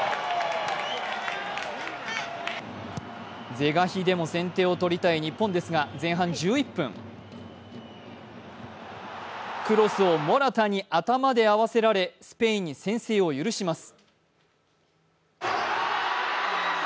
是が非でも先手をとりたい日本ですが前半１１分、クロスをモラタに頭で合わせられスペインに先制を許します。